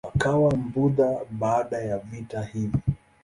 Akawa Mbudha baada ya vita hivi.